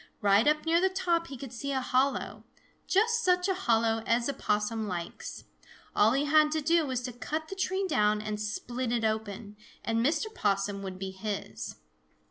Right up near the top he could see a hollow, just such a hollow as a Possum likes. All he had to do was to cut the tree down and split it open, and Mr. Possum would be his.